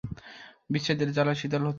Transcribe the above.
বিচ্ছেদের জ্বালা শীতল হচ্ছিল না।